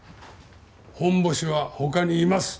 ホンボシは他にいます。